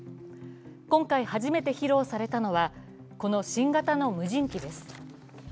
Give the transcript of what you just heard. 今回、初めて披露されたのはこの、新型の無人機です。